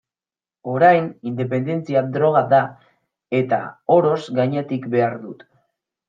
Orain, independentzia droga da, eta oroz gainetik behar dut.